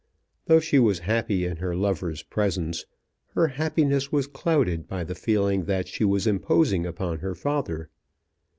Though she was happy in her lover's presence, her happiness was clouded by the feeling that she was imposing upon her father.